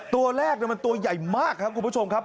ตัวแรกมันตัวใหญ่มากครับคุณผู้ชมครับ